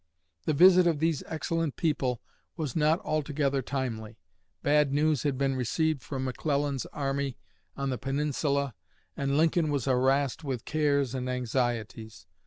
The visit of these excellent people was not altogether timely. Bad news had been received from McClellan's army on the Peninsula, and Lincoln was harassed with cares and anxieties.